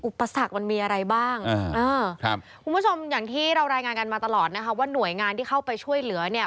อุปสรรคมันมีอะไรบ้างคุณผู้ชมอย่างที่เรารายงานกันมาตลอดนะคะว่าหน่วยงานที่เข้าไปช่วยเหลือเนี่ย